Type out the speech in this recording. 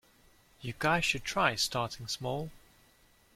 You guys should try starting small.